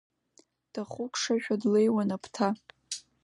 Дахыкәшашәа длеиуан Аԥҭа.